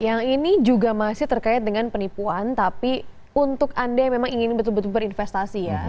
yang ini juga masih terkait dengan penipuan tapi untuk anda yang memang ingin betul betul berinvestasi ya